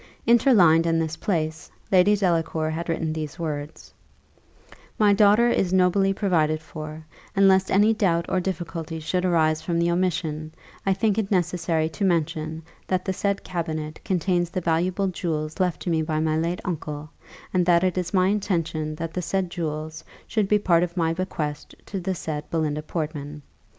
Interlined in this place, Lady Delacour had written these words: "My daughter is nobly provided for; and lest any doubt or difficulty should arise from the omission, I think it necessary to mention that the said cabinet contains the valuable jewels left to me by my late uncle, and that it is my intention that the said jewels should be part of my bequest to the said Belinda Portman.